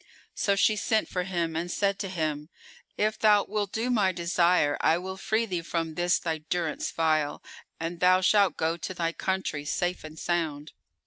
So she sent for him and said to him, "If thou wilt do my desire, I will free thee from this thy durance vile and thou shalt go to thy country, safe and sound."